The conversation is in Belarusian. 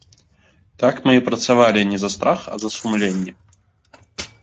Так мы і працавалі, не за страх, а за сумленне.